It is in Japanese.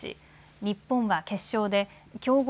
日本は決勝で強豪